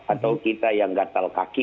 atau kita yang gatal kaki